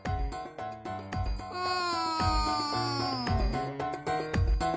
うん。